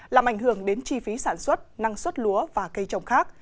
làm ảnh hưởng đến chi phí sản xuất năng suất lúa và cây trồng khác